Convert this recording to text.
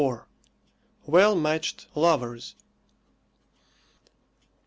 WELL MATCHED LOVERS.